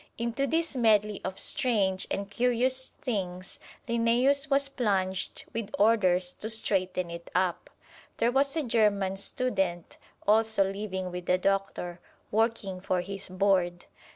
Into this medley of strange and curious things Linnæus was plunged with orders to "straighten it up." There was a German student also living with the doctor, working for his board.